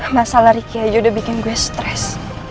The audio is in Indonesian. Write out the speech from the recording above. masa lari kiaju udah bikin gue stress